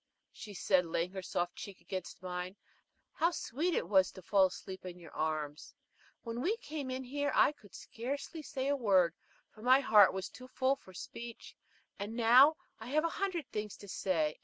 she said, laying her soft cheek against mine. "How sweet it was to fall asleep in your arms! When we came in here I could scarcely say a word, for my heart was too full for speech; and now I have a hundred things to say.